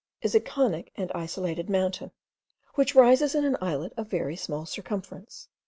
is a conic and isolated mountain, which rises in an islet of very small circumference.